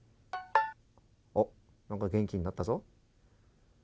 何か元気になったぞ。